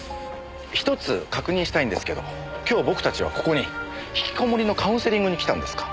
１つ確認したいんですけど今日僕たちはここに引きこもりのカウンセリングに来たんですか？